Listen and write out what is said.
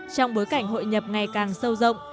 trong bối cảnh hội nhập ngày càng sâu rộng